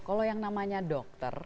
kalau yang namanya dokter